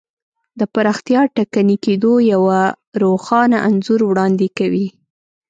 د پراختیا ټکني کېدو یو روښانه انځور وړاندې کوي.